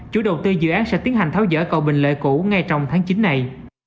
chủ đầu tư dự án sẽ tiến hành tháo dỡ cầu bình lợi cũ ngay trong tháng chín này